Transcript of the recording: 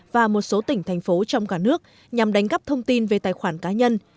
và một số tỉnh thành phố trong cả nước nhằm đánh gắp thông tin về tài khoản cá nhân